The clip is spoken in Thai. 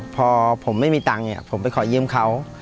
พอผมไม่มีตังค์ผมไปขอยืมเขา